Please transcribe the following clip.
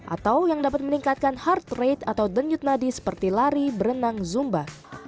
atau yang dapat meningkatkan heart rate atau denyut nadi seperti lari berenang zumba